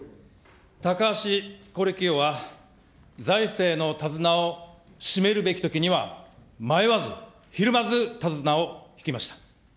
高橋是清は財政の手綱をしめるべきときには迷わず、ひるまず手綱を引きました。